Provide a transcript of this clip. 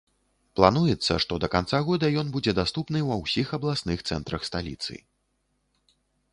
Плануецца, што да канца года ён будзе даступны ва ўсіх абласных цэнтрах сталіцы.